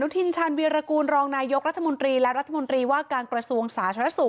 ทินชาญวีรกูลรองนายกรัฐมนตรีและรัฐมนตรีว่าการกระทรวงสาธารณสุข